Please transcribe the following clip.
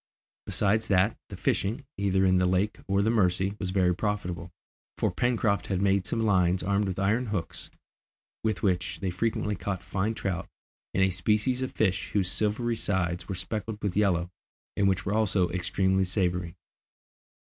Besides that, the fishing, either in the lake or the Mercy, was very profitable, for Pencroft had made some lines, armed with iron hooks, with which they frequently caught fine trout, and a species of fish whose silvery sides were speckled with yellow, and which were also extremely savoury.